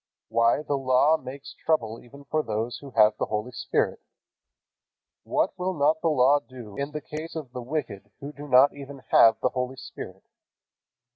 Why, the Law makes trouble even for those who have the Holy Spirit. What will not the Law do in the case of the wicked who do not even have the Holy Spirit?